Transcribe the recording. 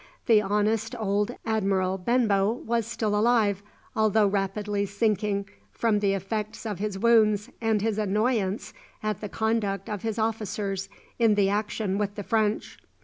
The honest old Admiral Benbow was still alive, although rapidly sinking from the effects of his wounds and his annoyance at the conduct of his officers in the action with the French.